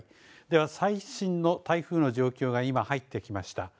では最新の台風の状況が今入ってきました。